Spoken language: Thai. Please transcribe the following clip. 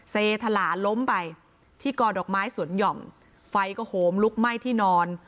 เสถลาล้มไปที่ก่อดอกไม้สวนหย่อมไฟก็โหมลุกไหม้ที่นอน